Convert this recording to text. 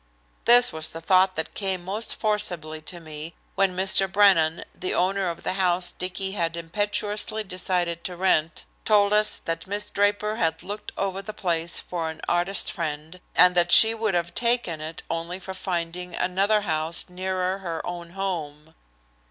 This was the thought that came most forcibly to me when Mr. Brennan, the owner of the house Dicky had impetuously decided to rent, told us that Miss Draper had looked over the place for an artist friend, and that she would have taken it only for finding another house nearer her own home.